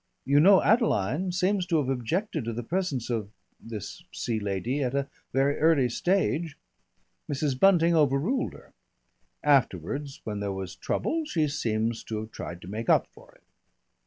"You know Adeline seems to have objected to the presence of this sea lady at a very early stage. Mrs. Bunting overruled her. Afterwards when there was trouble she seems to have tried to make up for it."